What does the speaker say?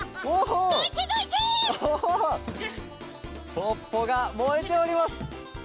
ポッポがもえております！